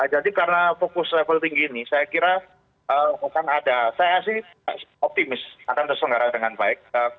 jadi karena fokus level tinggi ini saya kira bukan ada saya sih optimis akan terselenggaranya dengan baik